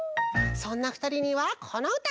そんなふたりにはこのうた！